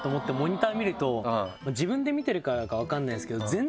自分で見てるからか分かんないんですけど。